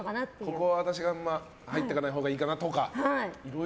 ここは私があまり入っていかないほうがいいかなとか。